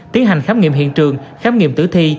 tiến hành khám nghiệm hiện trường khám nghiệm tử thi